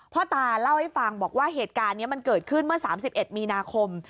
พ่อตาเล่าให้ฟังบอกว่าเหตุการณ์นี้มันเกิดขึ้นเมื่อ๓๑มีนาคม